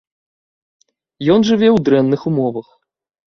Ён жыве ў дрэнных умовах.